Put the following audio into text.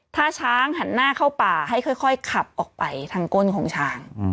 ถ้าช้างหันหน้าเข้าป่าให้ค่อยขับออกไปทางก้นของช้าง